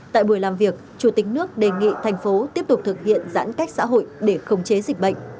tại buổi làm việc chủ tịch nước đề nghị thành phố tiếp tục thực hiện giãn cách xã hội để khống chế dịch bệnh